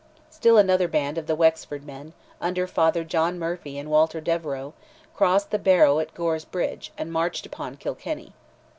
Still another band of the Wexford men, under Father John Murphy and Walter Devereux, crossed the Barrow at Gore's bridge, and marched upon Kilkenny.